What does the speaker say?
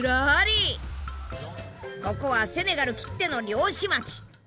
ここはセネガルきっての漁師町。